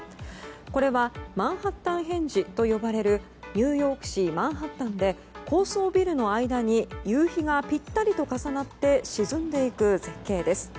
これはマンハッタンヘンジと呼ばれるニューヨーク市マンハッタンで高層ビルの間に夕日がぴったりと重なって沈んでいく絶景です。